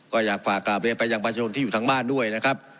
ก็อยากฝากกลับเรียนไปยังประชาชนที่อยู่ทางบ้านด้วยนะครับ